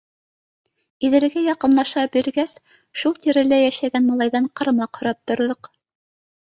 Иҙелгә яҡынлаша биргәс, шул тирәлә йәшәгән малайҙан ҡармаҡ һорап торҙоҡ.